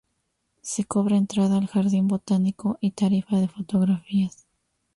Se cobra entrada al jardín botánico y tarifa de fotografías.